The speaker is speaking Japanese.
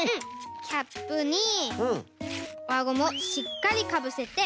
キャップにわゴムをしっかりかぶせて。